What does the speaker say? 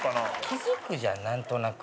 気付くじゃん何となくで。